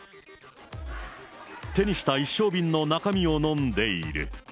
手にした一升瓶の中身を飲んでいる。